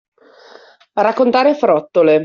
Raccontare frottole.